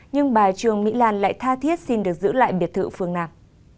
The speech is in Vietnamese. nhưng bà trương mỹ lan lại tha thiết xin được giữ lại biệt thự phương nam